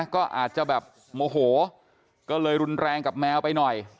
ก็อาจจะแบบโมโหก็เลยรุนแรงกับแมวไปหน่อย